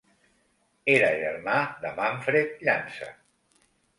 Era germà de Manfred Llança.